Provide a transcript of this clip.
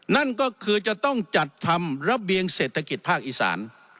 นั่นก็คือจะต้องจัดทำระเบียงเศรษฐกิจภาคอีสาน